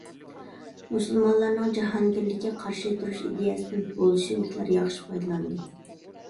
مۇسۇلمانلارنىڭ جاھانگىرلىككە قارشى تۇرۇش ئىدىيەسىدىن بولشېۋىكلار ياخشى پايدىلاندى.